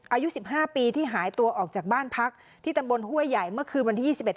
อายุสิบห้าปีที่หายตัวออกจากบ้านพักที่ตำบลห้วยใหญ่เมื่อคืนวันที่ยี่สิบเอ็ด